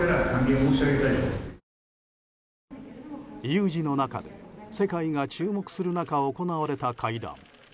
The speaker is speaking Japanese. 有事の中で世界が注目する中行われた会談。